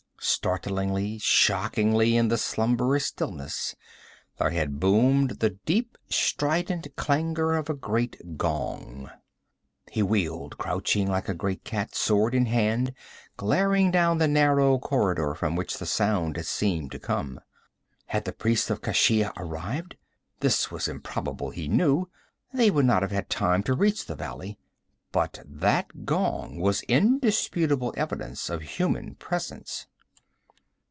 Startlingly, shockingly in the slumberous stillness, there had boomed the deep strident clangor of a great gong! He wheeled, crouching like a great cat, sword in hand, glaring down the narrow corridor from which the sound had seemed to come. Had the priests of Keshia arrived? This was improbable, he knew; they would not have had time to reach the valley. But that gong was indisputable evidence of human presence.